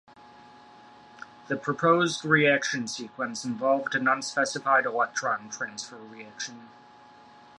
The proposed reaction sequence involved an unspecified electron transfer reaction.